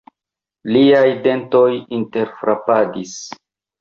Liaj dentoj interfrapadis.